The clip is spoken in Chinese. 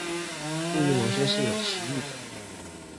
注意某些是有歧义的。